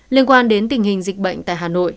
liên quan đến tình hình dịch bệnh tại hà nội